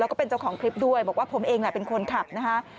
แล้วก็เป็นเจ้าของคลิปด้วยบอกว่าผมเองแหละเป็นคนขับนะฮะ